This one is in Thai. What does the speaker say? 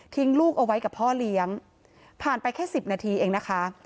ลูกเอาไว้กับพ่อเลี้ยงผ่านไปแค่สิบนาทีเองนะคะ